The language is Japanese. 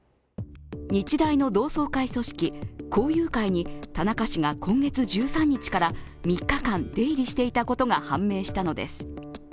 日大の同窓会組織校友会に田中氏が今月１３日から３日間、出入りしていたことが判明したのです。